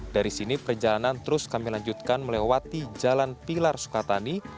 dari sini perjalanan terus kami lanjutkan melewati jalan pilar sukatani